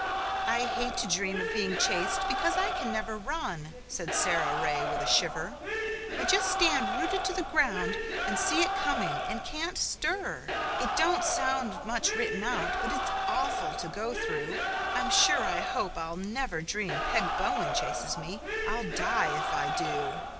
"I hate to dream of being chased because I can never run," said Sara Ray with a shiver. "I just stand rooted to the ground and see it coming and can't stir. It don't sound much written out, but it's awful to go through. I'm sure I hope I'll never dream Peg Bowen chases me. I'll die if I do."